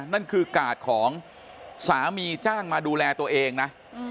นั่นคือกาดของสามีจ้างมาดูแลตัวเองนะ